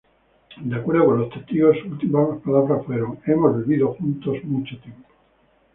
De acuerdo con los testigos, sus últimas palabras fueron: "hemos vivido juntos mucho tiempo.